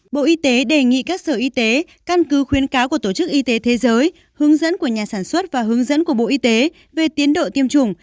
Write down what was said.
bộ y tế đề nghị các sở y tế căn cứ khuyến cáo của tổ chức y tế thế giới hướng dẫn của nhà sản xuất và hướng dẫn của bộ y tế về tiến độ tiêm chủng